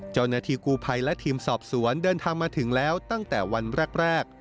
เจ้าหน้าที่กู้ภัยและทีมสอบสวนเดินทางมาถึงแล้วตั้งแต่วันแรก